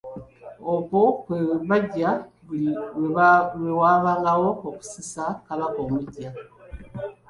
Okwo kwe baggya, buli lwe wabaawo okusisa Kabaka omuggya.